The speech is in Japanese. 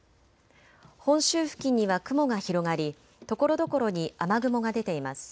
本州付近には雲が広がりところどころに雨雲が出ています。